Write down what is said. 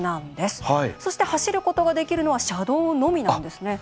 そして走ることができるのは車道のみなんですね。